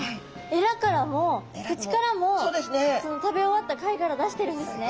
エラからも口からも食べ終わった貝殻出してるんですね。